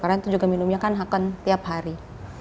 karena itu juga minumnya kan akan tiap hari